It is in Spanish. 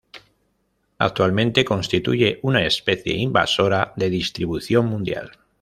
Actualmente constituye una especie invasora de distribución mundial.